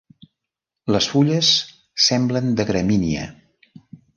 Les fulles semblen de gramínia.